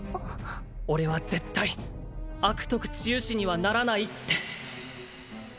俺は絶対悪徳治癒士にはならないって！